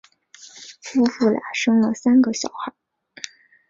夫妇俩生了三个小孩。